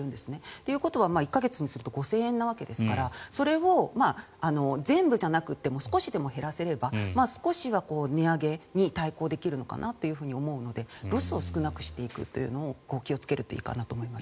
ということは１か月にすると５０００円なわけですからそれを全部じゃなくても少しでも減らせれば少しは値上げに対抗できるのかなと思うのでロスを少なくしていくというのを気をつけるといいと思います。